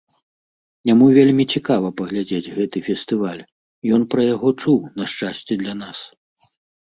Яму вельмі цікава паглядзець гэты фестываль, ён пра яго чуў, на шчасце для нас.